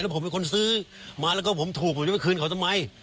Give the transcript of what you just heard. ว่าผมเป็นคนซื้อมาแล้วก็ผมถูกผมจะไม่คืนเขาต้องไหม